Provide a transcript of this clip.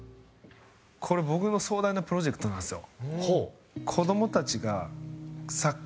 これ僕の壮大なプロジェクトなんですよ。